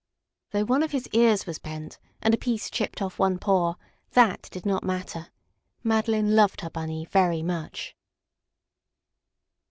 Though one of his ears was bent, and a piece chipped off one paw, that did not matter. Madeline loved her Bunny very much.